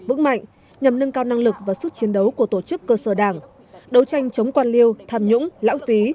vững mạnh nhằm nâng cao năng lực và sức chiến đấu của tổ chức cơ sở đảng đấu tranh chống quan liêu tham nhũng lãng phí